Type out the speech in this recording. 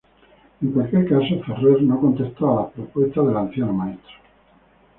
En cualquier caso, Ferrer no contestó a la propuesta del anciano maestro.